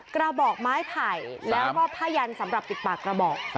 กระบอกไม้ไผ่แล้วก็ผ้ายันสำหรับปิดปากกระบอก